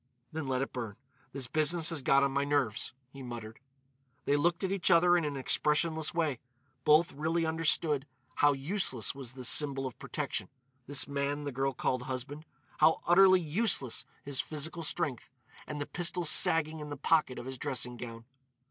"Then let it burn. This business has got on my nerves," he muttered. They looked at each other in an expressionless way. Both really understood how useless was this symbol of protection—this man the girl called husband;—how utterly useless his physical strength, and the pistol sagging in the pocket of his dressing gown.